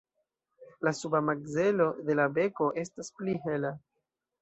La suba makzelo de la beko estas pli hela.